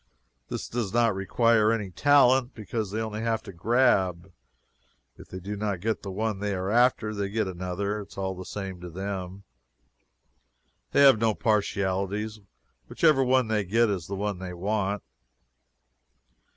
This does not require any talent, because they only have to grab if they do not get the one they are after, they get another. It is all the same to them. They have no partialities. Whichever one they get is the one they want.